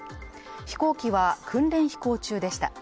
飛行機は、訓練飛行中でした。